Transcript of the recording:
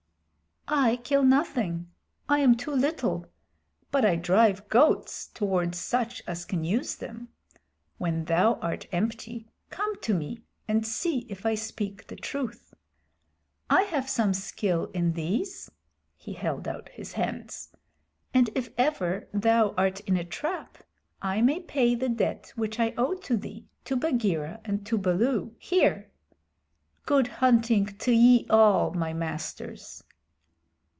"I kill nothing, I am too little, but I drive goats toward such as can use them. When thou art empty come to me and see if I speak the truth. I have some skill in these [he held out his hands], and if ever thou art in a trap, I may pay the debt which I owe to thee, to Bagheera, and to Baloo, here. Good hunting to ye all, my masters."